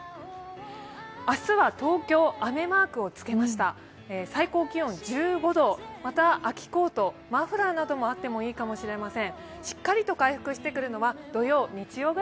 明日は東京、雨マークをつけました最高気温１５度、また秋コートがいいかもしれません。